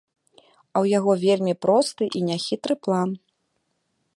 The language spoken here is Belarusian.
А ў яго вельмі просты і няхітры план.